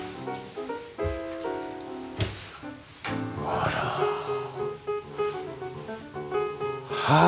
あら。はあ！